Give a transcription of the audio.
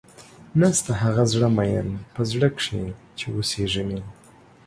نيشته هغه زړۀ ميئن پۀ زړۀ کښې چې اوسېږي مې